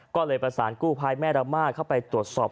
ก็เลยประสานกู้ภัยแม่ระมาทเข้าไปตรวจสอบ